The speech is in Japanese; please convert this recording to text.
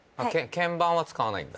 鍵盤は使わないんだ。